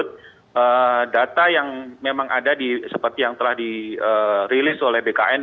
menurut data yang memang ada seperti yang telah dirilis oleh bkn